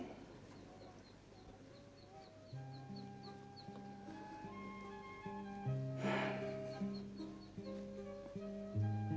bpieh kita apa lagi